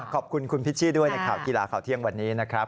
ขอบคุณคุณพิชชี่ด้วยในข่าวกีฬาข่าวเที่ยงวันนี้นะครับ